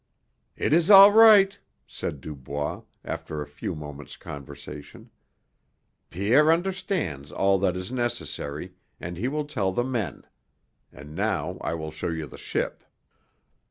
"It is all right," said Dubois, after a few moments' conversation. "Pierre understands all that is necessary, and he will tell the men. And now I will show you the ship."